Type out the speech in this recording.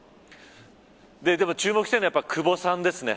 でも注目しているのは久保さんです。